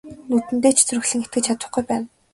Нүдэндээ ч зүрхлэн итгэж чадахгүй байна.